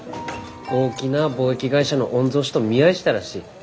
大きな貿易会社の御曹司と見合いしたらしい。